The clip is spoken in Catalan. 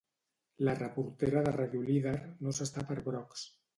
La reportera de Ràdio Líder no s'està per brocs.